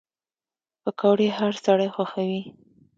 پکورې هر سړی خوښوي